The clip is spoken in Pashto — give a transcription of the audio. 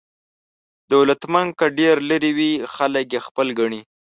دولتمند که ډېر لرې وي خلک یې خپل ګڼي.